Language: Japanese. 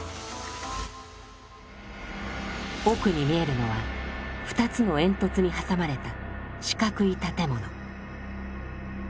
奥に見えるのは２つの煙突に挟まれた四角い建物。